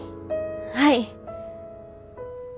はい。